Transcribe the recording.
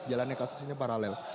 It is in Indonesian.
jalannya kasusnya paralel